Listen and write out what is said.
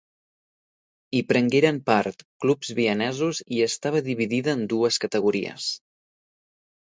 Hi prengueren part clubs vienesos i estava dividida en dues categories.